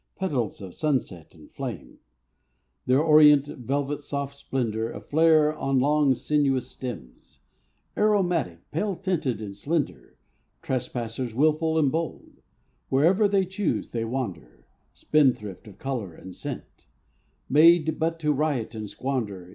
Petals of sunset and flame, Their orient, velvet soft splendor Aflare on long, sinuous stems, Aromatic, pale tinted and slender. Trespassers wilful and bold, Wherever they choose they wander, Spendthrift of color and scent— Made but to riot and squander.